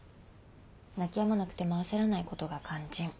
泣きやまなくても焦らないことが肝心。